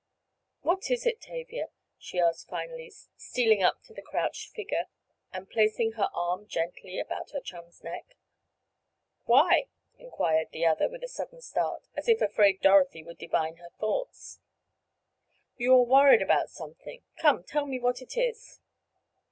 "What is it, Tavia?" she asked finally, stealing up to the crouched figure, and placing her arm gently about her chum's neck. "Why?" inquired the other, with a sudden start, as if afraid Dorothy would divine her thoughts. "You are worried about something—come tell me what it is!"